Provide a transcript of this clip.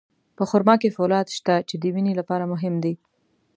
په خرما کې فولاد شته، چې د وینې لپاره مهم دی.